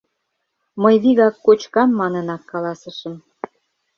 Мый вигак «кочкам» манынак каласышым.